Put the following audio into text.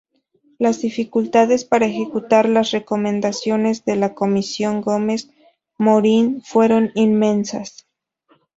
Las dificultades para ejecutar las recomendaciones de la Comisión Gómez Morín fueron inmensas.